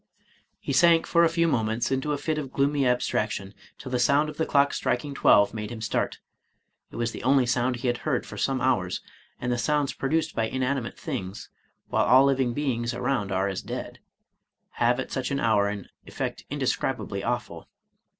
He sank for a few moments into a fit of gloomy abstrac tion, till the sound of the clock striking twelve made him start, — it was the only sound he had heard for some hours, and the sounds produced by inanimate things, while all living beings around are as dead, have at such an hour an effect indescribably awful.